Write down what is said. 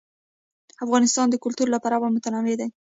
افغانستان د کلتور له پلوه متنوع دی.